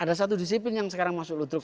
ada satu disiplin yang sekarang masuk ludruf